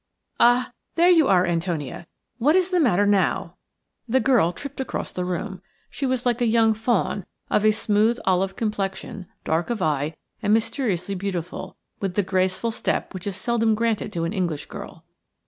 Ah, there you are, Antonia! What is the matter now?" The girl tripped across the room. She was like a young fawn; of a smooth, olive complexion – dark of eye and mysteriously beautiful, with the graceful step which is seldom granted to an English girl.